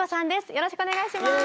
よろしくお願いします。